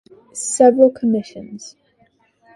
Several commissions.